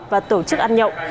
và tổ chức ăn nhậu